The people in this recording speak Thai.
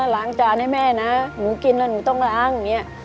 ล้างจานให้แม่นะหนูกินแล้วหนูต้องล้าง